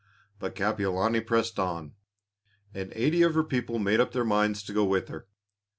But Kapiolani pressed on, and eighty of her people made up their minds to go with her.